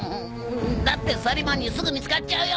だってサリマンにすぐ見つかっちゃうよ！